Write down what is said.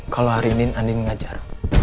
kalau hari ini andin ngajar